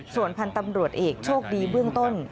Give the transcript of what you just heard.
ส่วนพันธุ์ตำรวจเอกโชคดีเบื้องต้น